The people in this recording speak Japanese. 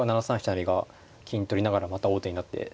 成が金取りながらまた王手になって。